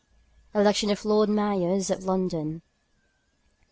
ELECTION OF LORD MAYORS OF LONDON.